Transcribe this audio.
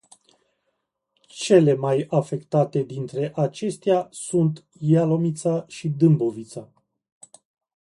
Cele mai afectate dintre acestea sunt Ialomița și Dâmbovița.